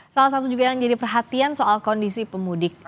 salah satu juga yang jadi perhatian soal kondisi pemudik